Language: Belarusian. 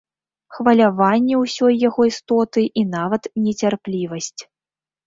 Хваляванне ўсёй яго істоты і нават нецярплівасць.